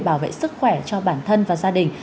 bảo vệ sức khỏe cho bản thân và gia đình